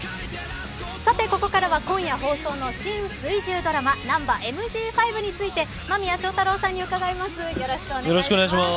ここからは今夜放送の新水１０ドラマナンバＭＧ５について間宮祥太朗さんに伺います。